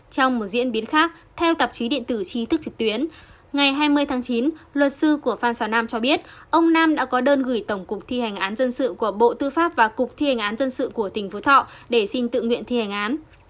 trong một diễn biến khác theo tạp chí điện tử trí thức trực tuyến ngày hai mươi tháng chín luật sư của phan xào nam cho biết ông nam đã có đơn gửi tổng cục thi hành án dân sự của bộ tư pháp và cục thi hành án dân sự của tỉnh phú thọ để xin tự nguyện thi hành án